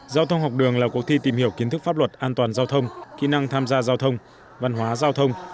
giao thông học đường là cuộc thi tìm hiểu kiến thức pháp luật an toàn giao thông kỹ năng tham gia giao thông văn hóa giao thông